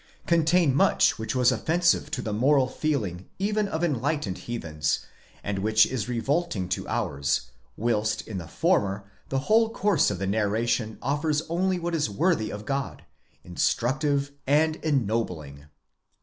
contain much which was offensive to the moral feeling even of enlightened heathens, and which is revolting to ours: whilst in the former, the whole course of the narration, offers only what is worthy of God, instructive, and ennobling."